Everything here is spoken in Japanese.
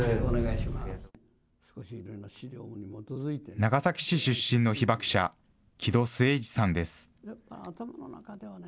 長崎市出身の被爆者、木戸季市さんです。